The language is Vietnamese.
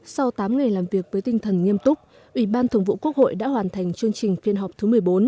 sau tám ngày làm việc với tinh thần nghiêm túc ủy ban thường vụ quốc hội đã hoàn thành chương trình phiên họp thứ một mươi bốn